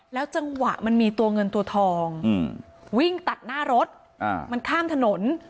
จังหวะมันมีตัวเงินตัวทองวิ่งตัดหน้ารถมันข้ามถนน